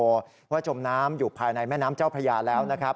เพราะว่าจมน้ำอยู่ภายในแม่น้ำเจ้าพระยาแล้วนะครับ